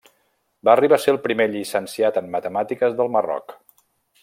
Va arribar a ser el primer llicenciat en matemàtiques del Marroc.